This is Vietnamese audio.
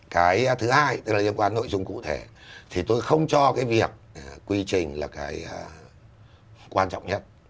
cái thứ hai tức là liên quan nội dung cụ thể thì tôi không cho cái việc quy trình là cái quan trọng nhất